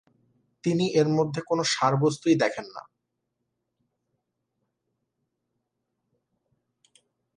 তিনি এর মধ্যে কোনো সারবস্তুই দেখেননা।